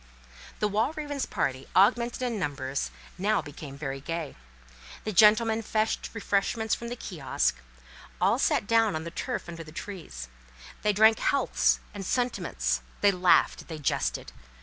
The Walravens' party, augmented in numbers, now became very gay. The gentlemen fetched refreshments from the kiosk, all sat down on the turf under the trees; they drank healths and sentiments; they laughed, they jested.